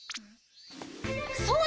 そうだ！